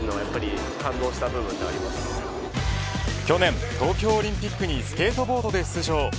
去年、東京オリンピックにスケートボードで出場。